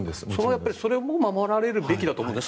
それも守られるべきだと思うんです。